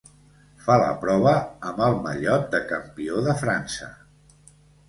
Fa la prova amb el mallot de campió de França.